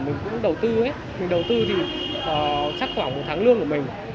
mình cũng đầu tư mình đầu tư thì chắc khoảng một tháng lương của mình